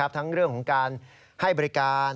ทั้งเรื่องของการให้บริการ